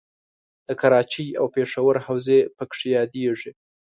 د کراچۍ او پېښور حوزې پکې یادیږي.